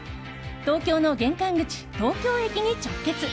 東京の玄関口・東京駅に直結！